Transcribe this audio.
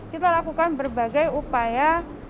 kita lakukan berbagai upaya